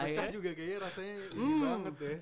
mas pecah juga kayaknya rasanya gini banget deh